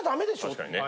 確かにね。